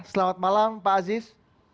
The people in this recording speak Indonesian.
selamat malam pak aziz